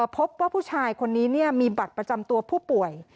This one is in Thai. พบว่าผู้ชายคนนี้มีบัตรประจำตัวผู้ป่วย